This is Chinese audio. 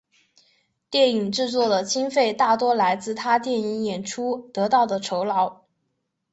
电影制作的经费大多来自他电影演出得到的酬劳。